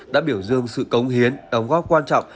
đã biểu dương sự cống hiến đóng góp quan trọng